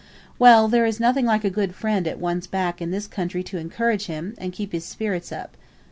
"Well, there is nothing like a good friend at one's back in this country to encourage him, and keep his spirits up.